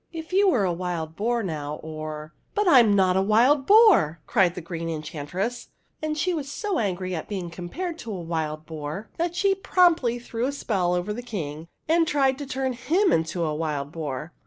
If you were a wild boar, now, or "'' But I m not a wild boar !" cried the Green Enchantress; and she was so angry at being compared to a wild boar that she promptly threw a spell over the King and tried to turn /izm into a wild boar.